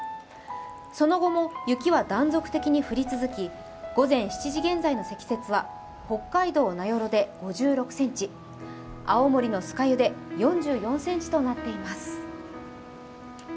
その後も雪は断続的に降り続き、午前７時現在の積雪は北海道・名寄で５６ｃｍ、青森の酸ヶ湯で４４ｃｍとなっています。